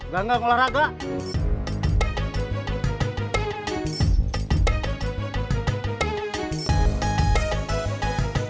gak ngelorak lah